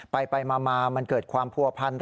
ไปไปมามามันเกิดความผัวพันห์